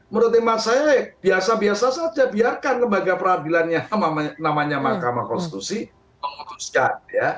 menurut emak saya biasa biasa saja biarkan lembaga peradilannya namanya mahkamah konstitusi memutuskan